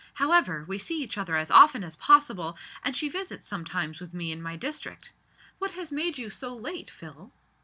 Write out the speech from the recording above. However, we see each other as often as possible, and she visits sometimes with me in my district. What has made you so late, Phil?"